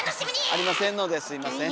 ありませんのですみません。